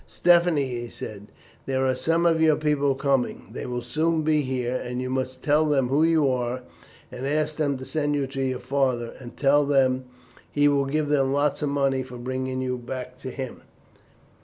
"Stephanie," he said, "there are some of your people coming. They will soon be here, and you must tell them who you are, and ask them to send you to your father, and tell them that he will give them lots of money for bringing you back to him."